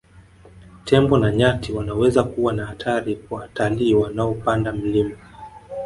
Tembo na nyati wanaweza kuwa na hatari kwa watalii wanaopanda mlima